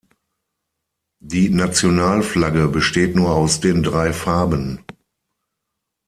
Die Nationalflagge besteht nur aus den drei Farben.